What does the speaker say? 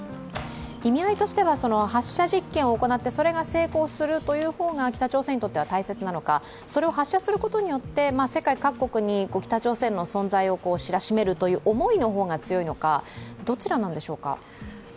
意味合いとしては発射実験を行って、それが成功する方が北朝鮮にとっては大切なのか、それを発射するとによって世界各国に北朝鮮の存在を知らしめるという思いの方が強いのかどちらなんでしょうか？